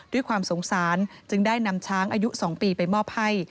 ด้วยความสงสารจึงได้นำช้างอายุ๒ปีไปมอบให้